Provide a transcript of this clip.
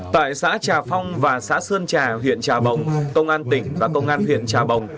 tại xã trà phong và xã sơn trà huyện trà bồng công an tỉnh và công an huyện trà bồng